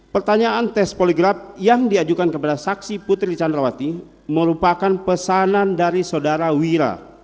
pertanyaan tes poligraf yang diajukan kepada saksi putri candrawati merupakan pesanan dari saudara wira